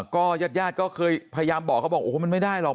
ก็ญาติญาติก็เคยพยายามบอกเขาบอกโอ้โหมันไม่ได้หรอก